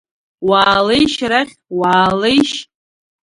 Уаалеишь арахь, уаалеишь.